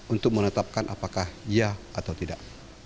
untuk menetapkan apakah iya atau tidak